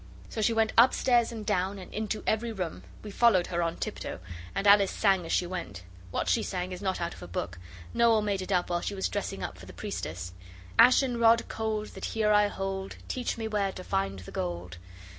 So she went upstairs and down and into every room. We followed her on tiptoe, and Alice sang as she went. What she sang is not out of a book Noel made it up while she was dressing up for the priestess. Ashen rod cold That here I hold, Teach me where to find the gold.